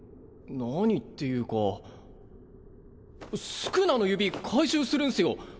何っていうか宿儺の指回収するんすよ